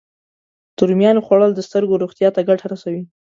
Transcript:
د رومیانو خوړل د سترګو روغتیا ته ګټه رسوي